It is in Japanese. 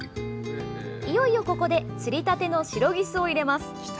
いよいよ、ここで釣りたてのシロギスを入れます。